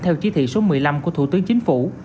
theo chỉ thị số một mươi năm của thủ tướng chính phủ